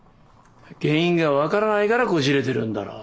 原因が分からないからこじれてるんだろう。